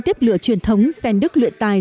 tiếp lửa truyền thống sen đức luyện tài